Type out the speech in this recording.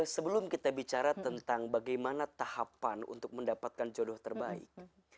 sebelum kita bicara tentang bagaimana tahapan untuk mendapatkan jodoh terbaik